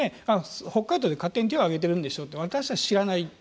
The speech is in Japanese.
なので、北海道で勝手に手をあげているんでしょう私は知らない。